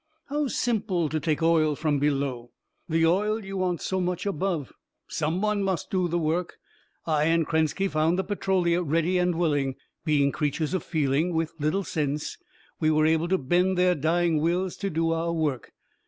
"How simple, to take the oil from below the oil you want so much above. Someone must do the work. I and Krenski found the Petrolia ready and willing. Being creatures of feeling, with little sense, we were able to bend their dying wills to do our work.